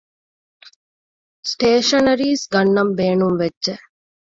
ސްޓޭޝަނަރީޒް ގަންނަން ބޭނުންވެއްޖެ